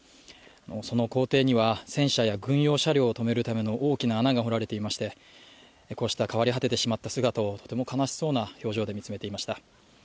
その校庭には、戦車や軍用車両を止めるための大きな穴が掘られていまして、こうした変わり果ててしまった姿をとても悲しそうな表情で見つめていました。